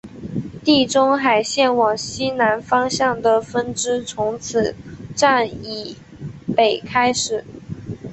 地中海线往西南方向的分支从此站以北开始。